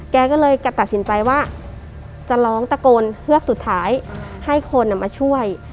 แกก็เลยตัดสินใจว่าจะร้องตะโกนเฮือกสุดท้ายให้คนมาช่วย